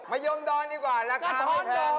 มะยมดองดีกว่าราคาไม่แพง